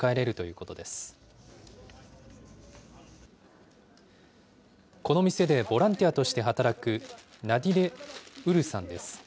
この店でボランティアとして働く、ナディレ・ウルさんです。